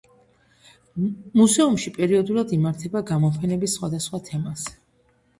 მუზეუმში პერიოდულად იმართება გამოფენები სხვადასხვა თემაზე.